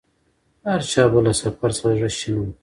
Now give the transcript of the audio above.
د هرچا به له سفر څخه زړه شین وو